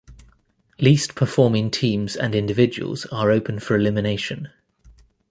Least performing teams and individuals are open for elimination.